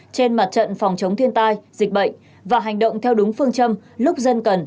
trên mặt trận phòng chống thiên tai dịch bệnh và hành động theo đúng phương châm lúc dân cần